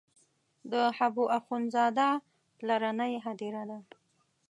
د حبو اخند زاده پلرنۍ هدیره ده.